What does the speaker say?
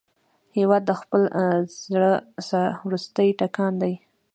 هېواد د خپل زړه وروستی ټکان دی.